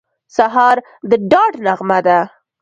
سهار د ډاډ نغمه ده.